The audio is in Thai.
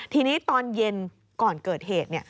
ทีนี้ตอนเย็นก่อนเกิดเหตุ